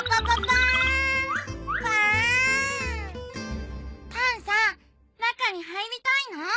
パンさん中に入りたいの？